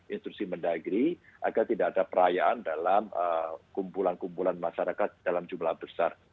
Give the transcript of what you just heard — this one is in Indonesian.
instruksi mendagri agar tidak ada perayaan dalam kumpulan kumpulan masyarakat dalam jumlah besar